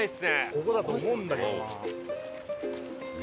ここだと思うんだけどな。